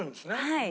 はい。